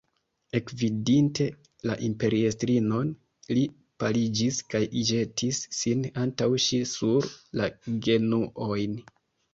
Ekvidinte la imperiestrinon, li paliĝis kaj ĵetis sin antaŭ ŝi sur la genuojn.